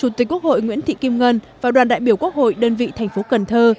chủ tịch quốc hội nguyễn thị kim ngân và đoàn đại biểu quốc hội đơn vị thành phố cần thơ